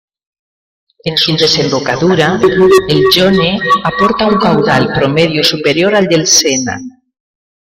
En su desembocadura el Yonne aporta un caudal promedio superior al del Sena.